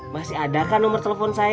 masih ada kan nomer telfon saya